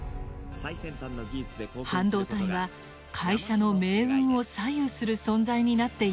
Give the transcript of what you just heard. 半導体は会社の命運を左右する存在になっていったのです。